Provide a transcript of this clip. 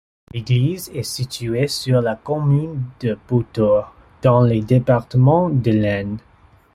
L'église est située sur la commune de Beautor, dans le département de l'Aisne.